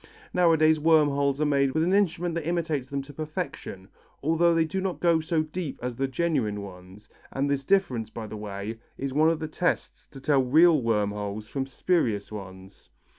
Nowadays worm holes are made with an instrument that imitates them to perfection, although they do not go so deep as the genuine ones, and this difference, by the way, is one of the tests to tell real worm holes from spurious ones.